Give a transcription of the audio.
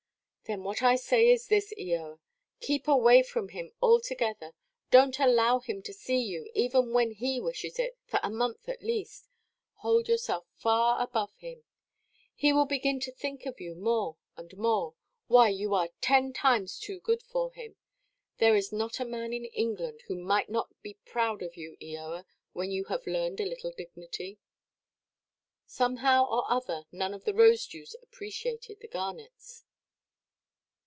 "Then what I say is this, Eoa: keep away from him altogether—donʼt allow him to see you, even when he wishes it, for a month at least. Hold yourself far above him. He will begin to think of you more and more. Why, you are ten times too good for him. There is not a man in England who might not be proud of you, Eoa, when you have learned a little dignity." Somehow or other none of the Rosedews appreciated the Garnets.